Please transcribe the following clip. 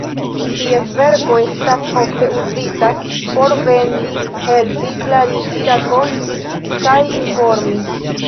Ties verko estas ofte uzitaj por vendi, helpi, klarigi, rakonti kaj informi.